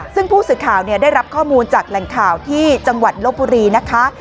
ซึ่งผู้สื่อข่าวได้รับข้อมูลจากแหล่งข่าวที่จังหวัดลบบุรีนะคะ